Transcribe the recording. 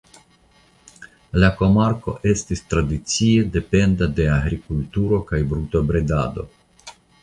La komarko estis tradicie dependa de agrikulturo kaj brutobredado.